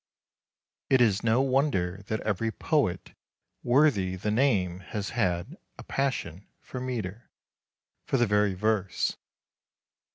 It is no wonder that every poet worthy the name has had a passion for metre, for the very verse.